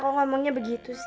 kok ngomongnya begitu sih